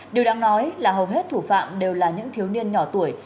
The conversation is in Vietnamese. điều đáng nói là hầu hết thủ phạm đều là những thiếu niên nhỏ tuổi